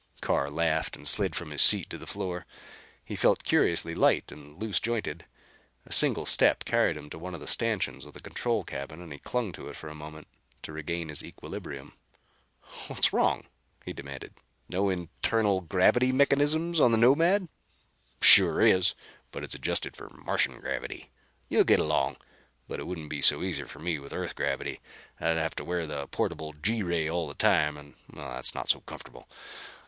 Carr laughed and slid from his seat to the floor. He felt curiously light and loose jointed. A single step carried him to one of the stanchions of the control cabin and he clung to it for a moment to regain his equilibrium. "What's wrong?" he demanded. "No internal gravity mechanism on the Nomad?" "Sure is. But it's adjusted for Martian gravity. You'll get along, but it wouldn't be so easy for me with Earth gravity. I'd have to wear the portable G ray all the time, and that's not so comfortable.